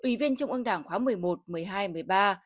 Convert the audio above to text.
ủy viên trung ương đảng khóa một mươi một một mươi hai một mươi ba